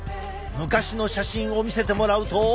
昔の写真を見せてもらうと。